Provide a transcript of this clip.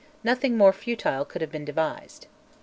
Nothing more futile could have been devised.